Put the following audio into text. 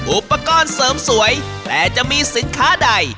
อุปกรณ์เสริมสวยแต่จะมีสินค้าใด